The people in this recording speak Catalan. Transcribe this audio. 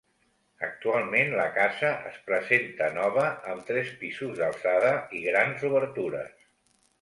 Actualment la casa es presenta nova amb tres pisos d'alçada i grans obertures.